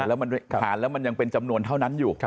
เอิ้นเข่นแล้วมันยังจะเป็นจำนวนเท่านั้นอยู่